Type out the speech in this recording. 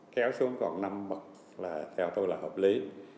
kéo xuống còn năm bậc là theo tôi là hợp lý